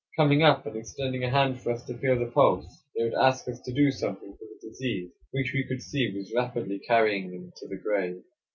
Coming up and extending a hand for us to feel the pulse they would ask us to do something for the disease, which we could see was rapidly carrying them to the grave.